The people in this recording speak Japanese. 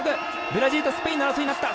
ブラジルとスペインの争いになった。